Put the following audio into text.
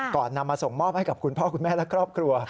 นำมาส่งมอบให้กับคุณพ่อคุณแม่และครอบครัว